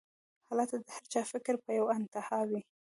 هلته د هر چا فکر پۀ يوه انتها وي